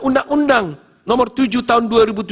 undang undang nomor tujuh tahun dua ribu tujuh belas